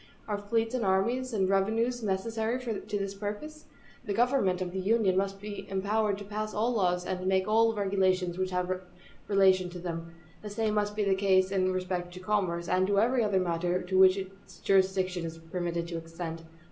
Are fleets and armies and revenues necessary to this purpose? The government of the Union must be empowered to pass all laws, and to make all regulations which have relation to them. The same must be the case in respect to commerce, and to every other matter to which its jurisdiction is permitted to extend.